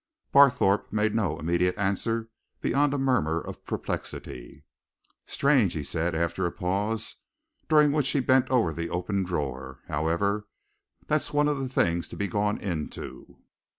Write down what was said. Barthorpe made no immediate answer beyond a murmur of perplexity. "Strange," he said after a pause, during which he bent over the open drawer. "However, that's one of the things to be gone into.